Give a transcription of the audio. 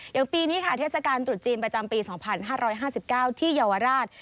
อย่างปีนี้ค่ะเทศกาลตรุษจีนประจำปี๒๕๕๙ที่เยาวราช